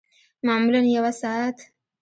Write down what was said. معمولاً یوه ساعت